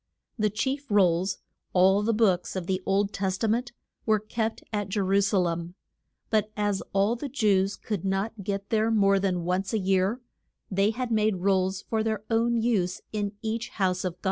The chief rolls, all the books of the Old Tes ta ment, were kept at Je ru sa lem, but as all the Jews could not get there more than once a year, they had made rolls for their own use in each house of God.